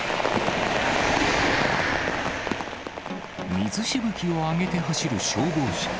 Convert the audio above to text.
水しぶきを上げて走る消防車。